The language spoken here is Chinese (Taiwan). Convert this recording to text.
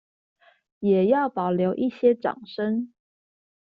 也要保留一些掌聲